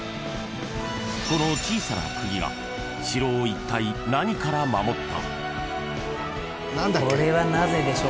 ［この小さな釘が城をいったい何から守った？］